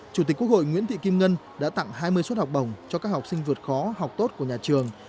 chủ tịch quốc hội nguyễn thị kim ngân đã tặng hai mươi suất học bổng cho các học sinh vượt khó học tốt của nhà trường